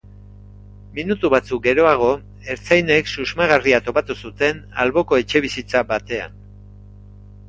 Minutu batzuk geroago, ertzainek susmagarria topatu zuten alboko etxebizitza batean.